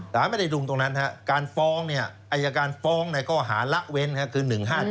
ตามไปในธุมตรงนั้นการฟ้องอัยการฟ้องในข้อหาระเว้นคือ๑๕๗